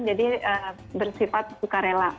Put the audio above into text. jadi bersifat sukarela